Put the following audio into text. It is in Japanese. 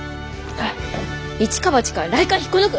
イチかバチか雷管引っこ抜く？